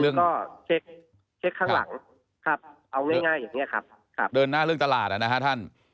เช็คข้างหลังครับเอาง่ายง่ายอย่างเงี้ยครับครับเดินหน้าเรื่องตลาดอ่ะนะฮะท่าน